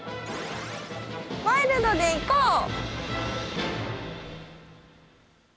ワイルドでいこうっ！